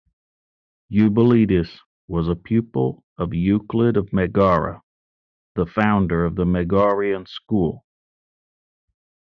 Eubulides was a pupil of Euclid of Megara, the founder of the Megarian school.